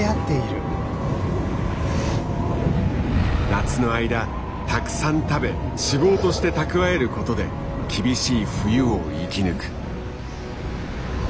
夏の間たくさん食べ脂肪として蓄えることで厳しい冬を生き抜く。